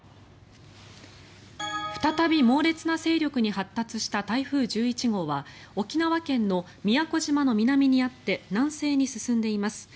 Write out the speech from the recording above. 再び猛烈な勢力に発達した台風１１号は沖縄県の宮古島の南にあって南西に進んでいます。